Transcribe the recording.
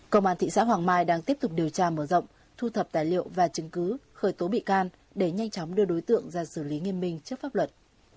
công an thị xã hoàng mai đang tiếp tục điều tra mở rộng thu thập tài liệu và chứng cứ khởi tố bị can để nhanh chóng đưa đối tượng ra xử lý nghiêm minh trước pháp luật